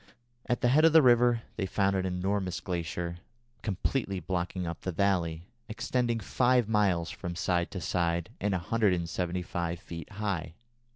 At the head of the river they found an enormous glacier completely blocking up the valley, extending five miles from side to side, and 175 feet high.